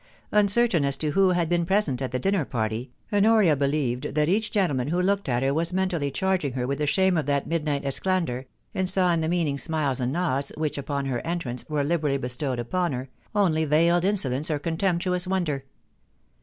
Uncertain as to who had been present at the dinner party, Honoria believed that each gentleman who looked at her was mentally charging her with the shame of that midnight esclandre, and saw in the meaning smiles and nods which, upon her entrance, were liberally bestowed upon her, only veiled insolence or contemptuous wonder.